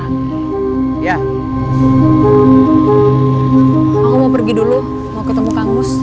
aku mau pergi dulu mau ketemu kang gus